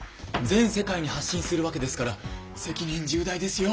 全世界に発信するわけですから責任重大ですよ。